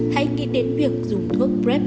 hãy nghĩ đến việc dùng thuốc prep